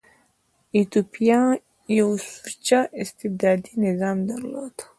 ایتوپیا یو سوچه استبدادي نظام درلود.